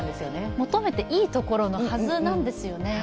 求めていいところのはずなんですよね。